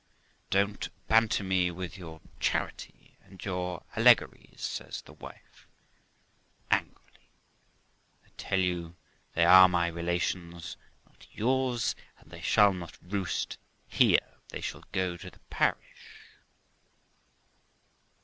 'Dont banter me with your charity and your allegories', says the wife angrily; 'I tell you they are my relations, not yours, and they shall not roost here; they shall go to the parish.'